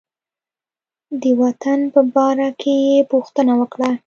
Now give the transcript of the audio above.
د وطن په باره کې یې پوښتنه وکړه.